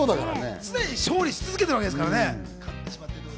常に勝利し続けてるわけですからね。